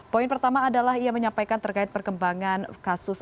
poin pertama adalah ia menyampaikan terkait perkembangan kasus